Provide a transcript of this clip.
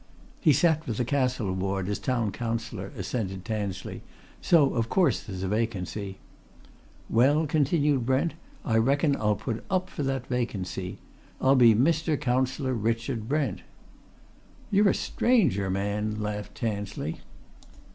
"He sat for the Castle Ward, as Town Councillor," assented Tansley. "So of course there's a vacancy." "Well," continued Brent, "I reckon I'll put up for that vacancy. I'll be Mr. Councillor Richard Brent!" "You're a stranger, man!" laughed Tansley.